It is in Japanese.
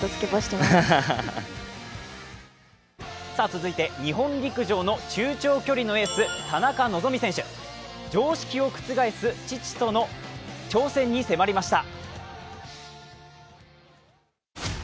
続いて日本陸上の中長距離のエース、田中希実選手、常識を覆す父との挑戦に迫りました。